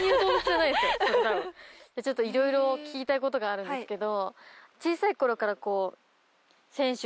いろいろ聞きたいことがあるんですけど。